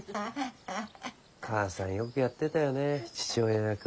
母さんよくやってたよね父親役。